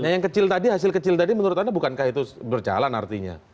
yang kecil tadi hasil kecil tadi menurut anda bukankah itu berjalan artinya